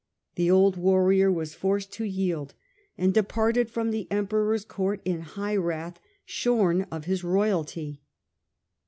The old warrior was forced to yield, and departed from the Emperor's court in high wrath, shorn of his royalty.